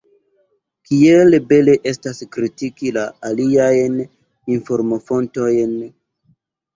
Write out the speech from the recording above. Kiel bele estas kritiki la aliajn informofontojn!